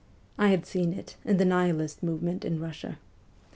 I had seen it in the Nihilist movement in Russia.